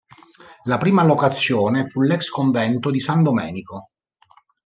La prima allocazione fu l'ex-convento di San Domenico.